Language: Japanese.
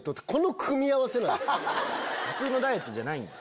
普通のダイエットじゃないんだ。